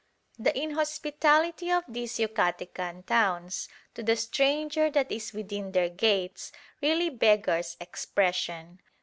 The inhospitality of these Yucatecan towns to the "stranger that is within their gates" really beggars expression.